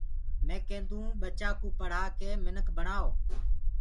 مي ڪينٚدو ٻچآ ڪو پڙهآ ڪي منک بڻآئو